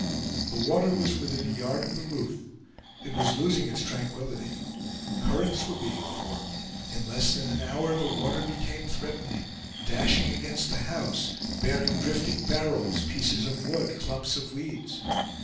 The water was within a yard of the roof. It was losing its tranquility; currents were being formed. In less than an hour the water became threatening, dashing against the house, bearing drifting barrels, pieces of wood, clumps of weeds.